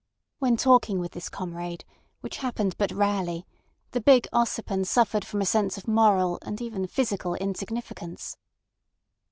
When talking with this comrade—which happened but rarely—the big Ossipon suffered from a sense of moral and even physical insignificance.